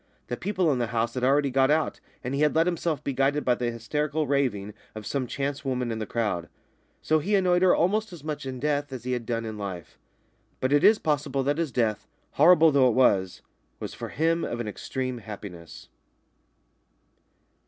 The people in the house had already got out, and he had let himself be guided by the hysterical raving of some chance woman in the crowd. So he annoyed her almost as much in death as he had done in life. But it is possible that his death, horrible though it was, was for him of an extreme happiness.